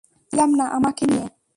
বুঝলাম না, আমাকে নিয়ে?